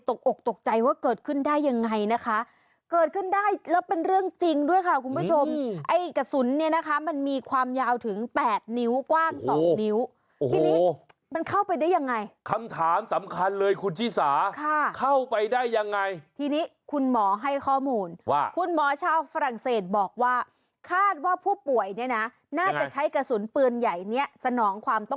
แต่การหนีออกจากบ้านครั้งนี้ไม่ได้ไปคนเดียว